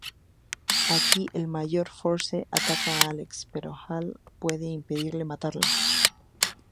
Aquí, el Mayor Force ataca a Alex, pero Hal puede impedirle matarla.